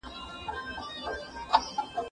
زه اجازه لرم چي کالي وپرېولم!!